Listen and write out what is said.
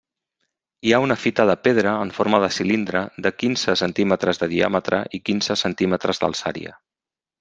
Hi ha una fita de pedra en forma de cilindre de quinze centímetres de diàmetre i quinze centímetres d'alçària.